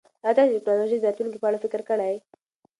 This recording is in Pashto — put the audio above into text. ایا تاسو د ټکنالوژۍ د راتلونکي په اړه فکر کړی؟